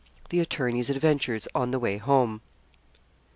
THE ATTORNEY'S ADVENTURES ON THE WAY HOME.